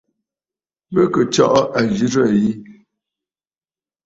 Bɨ kɨ̀ tsɔʼɔ àzɨrə̀ yi.